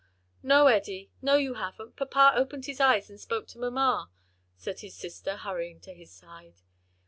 "No, Eddie, no, you haven't; papa opened his eyes and spoke to mamma," said his sister hurrying to his side.